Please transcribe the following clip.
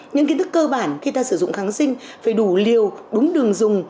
những kiến thức cơ bản khi ta sử dụng kháng sinh phải đủ liều đúng đường dùng